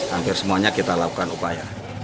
hampir semuanya kita lakukan upaya